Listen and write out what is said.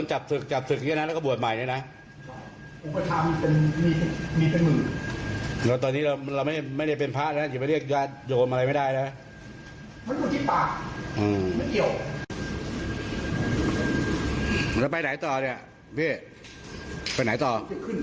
จะขึ้นสวรรค์หรือลงนรกก็ไม่เกี่ยวกับคุณ